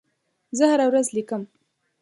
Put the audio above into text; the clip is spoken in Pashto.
زه هره ورځ لیکم.